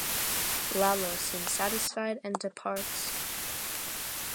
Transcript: Lalo seems satisfied and departs.